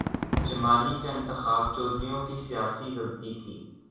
جمالی کا انتخاب چودھریوں کی سیاسی غلطی تھی۔